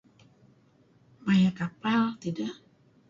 Maya' kapal tidih.